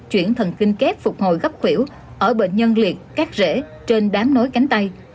chuyển thần kinh kép phục hồi gấp khỉu ở bệnh nhân liệt cắt rễ trên đám nối cánh tay